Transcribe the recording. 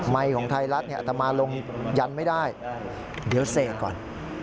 ไมค์ของไทยรัฐเนี่ยอาตมาลงยันต์ไม่ได้เดี๋ยวเสกก่อน